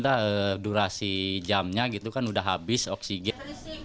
kita durasi jamnya gitu kan udah habis oksigen